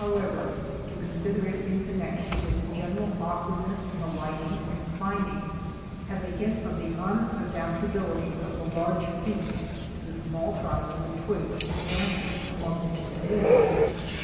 however to consider it in connection with the general awk wardness in alighting and climbing, as a hint of the unadapta bility of the large feet to the small size of the twigs and branches among which they live.